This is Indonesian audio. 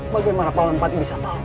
bagaimana pak empati bisa tahu